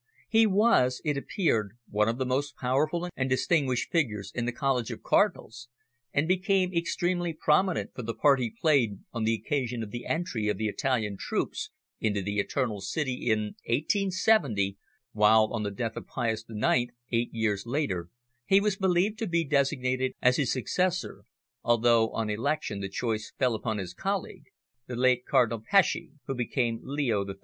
He was, it appeared, one of the most powerful and distinguished figures in the College of Cardinals, and became extremely prominent for the part he played on the occasion of the entry of the Italian troops into the Eternal City in 1870, while on the death of Pius IX, eight years later, he was believed to be designated as his successor, although on election the choice fell upon his colleague, the late Cardinal Pecci, who became Leo XIII.